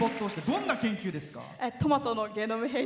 どんな研究ですか？